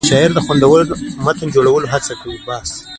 شاعر د خوندور متن جوړولو هڅه کوي.